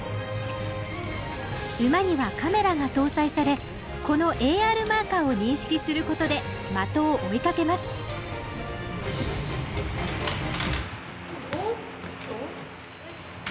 馬にはカメラが搭載されこのＡＲマーカーを認識することで的を追いかけますおっと。